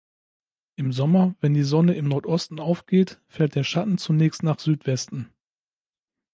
Im Sommer, wenn die Sonne im Nordosten aufgeht, fällt der Schatten zunächst nach Südwesten.